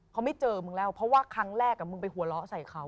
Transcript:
เขาไม่เจอมึงแล้วเพราะว่าครั้งแรกมึงไปหัวเราะใส่เขา